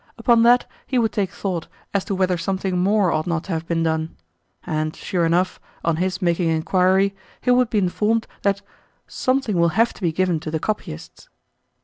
Upon that he would take thought as to whether something more ought not to have been done; and, sure enough, on his making inquiry, he would be informed that "something will have to be given to the copyists."